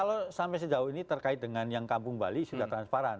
kalau sampai sejauh ini terkait dengan yang kampung bali sudah transparan